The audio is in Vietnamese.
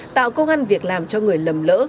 tạo công an việc làm cho người lầm lỡ